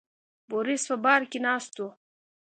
بوریس په بار کې ناست و.